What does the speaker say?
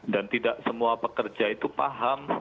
tidak semua pekerja itu paham